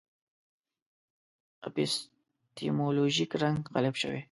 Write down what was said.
اپیستیمولوژیک رنګ غالب شوی.